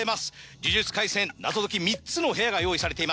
『呪術廻戦』謎解き３つの部屋が用意されています。